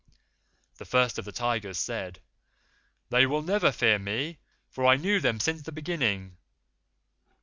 The First of the Tigers said, 'They will never fear me, for I knew them since the beginning.